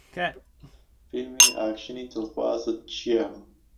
فیلمی ئاکشنی دڵخوازت چییە؟